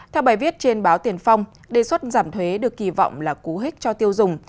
theo bài viết trên báo tiền phong đề xuất giảm thuế được kỳ vọng là cú hích cho tiêu dùng